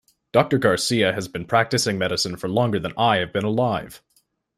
Doctor Garcia has been practicing medicine for longer than I have been alive.